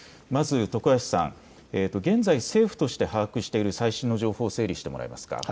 徳橋さん、現在、政府として把握している最新の情報を整理してもらえますか。